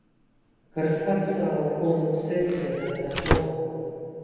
Карыстацца ў поўным сэнсе гэтага слова.